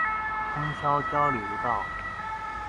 通霄交流道